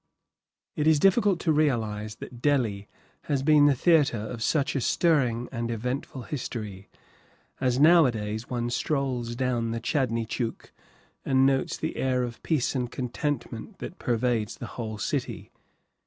It is difficult to realize that Delhi has been the theatre of such a stirring and eventful history, as nowadays one strolls down the Chandni Chouk and notes the air of peace and contentment that pervades the whole city.